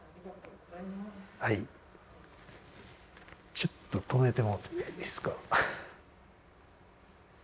ちょっと止めてもろうていいですか。